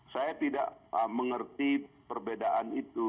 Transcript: saya tidak mengerti perbedaan itu